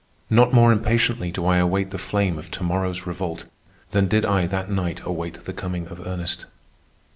Not more impatiently do I await the flame of to morrow's revolt than did I that night await the coming of Ernest.